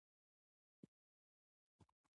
او هر هغه کار چې په اخلاص وي، بریا یې یقیني ده.